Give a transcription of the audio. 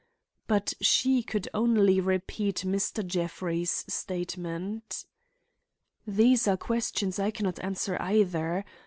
But she could only repeat Mr. Jeffrey's statement. "These are questions I can not answer either.